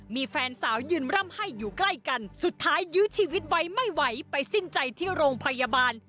มีแฟนสาวยืนร่ำให้อยู่ใกล้กันสุดท้ายยื้อชีวิตไว้ไม่ไหวไปสิ้นใจที่โรงพยาบาล